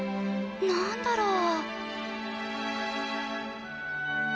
何だろう？